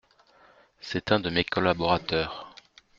C’est un de mes collaborateurs.